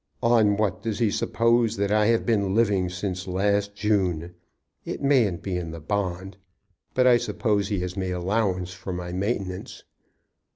"On what does he suppose that I have been living since last June? It mayn't be in the bond, but I suppose he has made allowance for my maintenance.